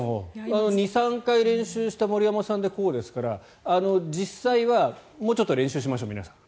２３回練習した森山さんでこうですから実際はもうちょっと練習しましょう皆さん。